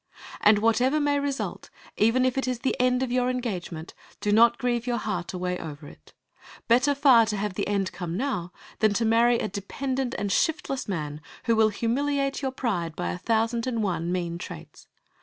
And whatever may result, even if it is the end of your engagement, do not grieve your heart away over it. Better far to have the end come now than to marry a dependent and shiftless man, who will humiliate your pride by a thousand and one mean traits.